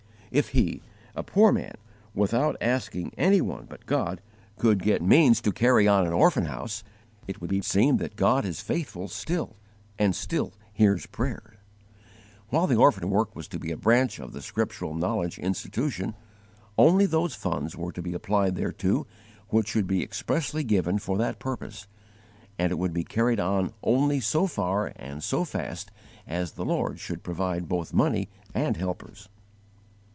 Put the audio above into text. _ If he, a poor man, without asking any one but God, could get means to carry on an orphan house, it would be seen that God is FAITHFUL STILL and STILL HEARS PRAYER. While the orphan work was to be a branch of the Scriptural Knowledge Institution, only those funds were to be applied thereto which should be expressly given for that purpose; and it would be carried on only so far and so fast as the Lord should provide both money and helpers.